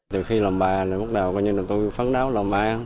từ khi làm bà thì bắt đầu coi như là tôi phấn đáo làm bà